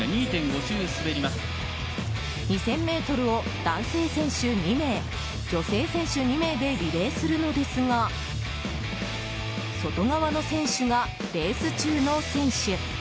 ２０００ｍを男性選手２名、女性選手２名でリレーするのですが外側の選手が、レース中の選手。